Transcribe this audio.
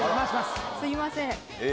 すみません。